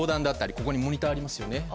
ここにモニターがありますよね。